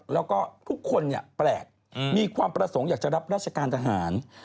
แล้วก็ทุกคนแปลกมีความประสงค์อยากจะรับราชการทหาร